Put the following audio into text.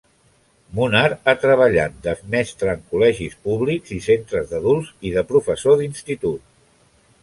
Munar ha treballat de mestre en col·legis públics i centres d'adults i de professor d'institut.